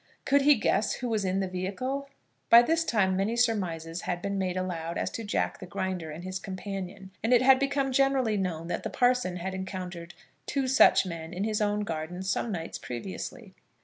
Could he guess who was in the vehicle? By this time many surmises had been made aloud as to Jack the Grinder and his companion, and it had become generally known that the parson had encountered two such men in his own garden some nights previously.